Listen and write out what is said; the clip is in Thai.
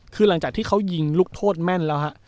คือหลังจากที่เขายิงลูกโทษแม่นแล้วฮะ